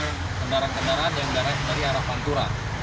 kedaraan kendaraan yang dari arah pantura